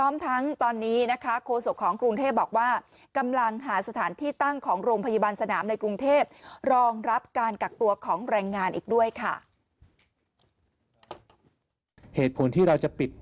มีการอีกด้วยค่ะ